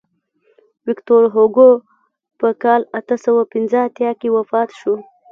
ویکتور هوګو په کال اته سوه پنځه اتیا کې وفات شو.